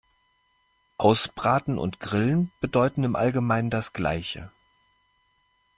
Ausbraten und grillen bedeuten im Allgemeinen das gleiche.